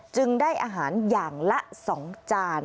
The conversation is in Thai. จึงได้อาหารอย่างละ๒จาน